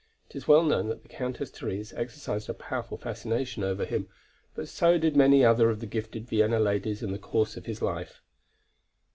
It is well known that the Countess Therese exercised a powerful fascination over him, but so did many another of the gifted Vienna ladies in the course of his life.